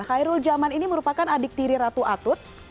khairul jaman ini merupakan adik tiri ratu atut